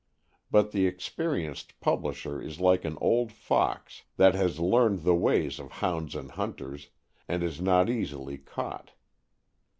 But the experienced publisher is like an old fox that has learned the ways of hounds and hunters and is not easily caught.